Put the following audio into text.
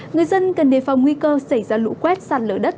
người dân cần đề phòng nguy cơ xảy ra lũ quét sạt lở đất